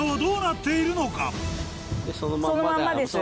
そのまんまです